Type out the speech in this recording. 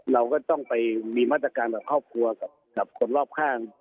เราก็ต้องไปมีมาตรการกับครอบครัวกับคนรอบข้าง